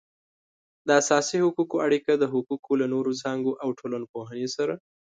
د اساسي حقوقو اړیکه د حقوقو له نورو څانګو او ټولنپوهنې سره